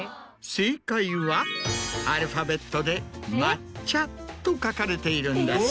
正解はアルファベットでＭＡＴＣＨＡと書かれているんです。